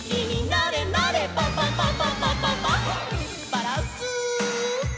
バランス。